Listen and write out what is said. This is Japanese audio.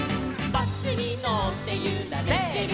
「バスにのってゆられてる」